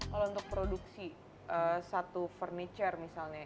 kalau untuk produksi satu furniture misalnya